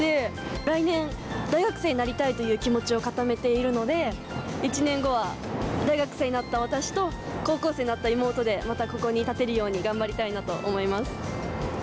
来年、大学生になりたいという気持ちを固めているので、１年後は、大学生になった私と高校生になった妹で、またここに立てるように頑張りたいなと思います。